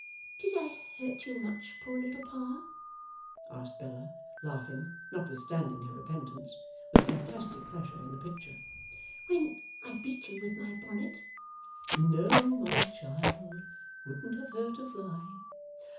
'Did I hurt you much, poor little Pa?' asked Bella, laughing (notwithstanding her repentance), with fantastic pleasure in the picture, 'when I beat you with my bonnet?' 'No, my child. Wouldn't have hurt a fly!